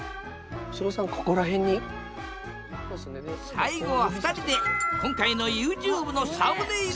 最後は２人で今回のＹｏｕＴｕｂｅのサムネイルを撮影！